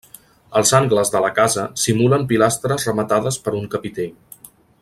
Els angles de la casa simulen pilastres rematades per un capitell.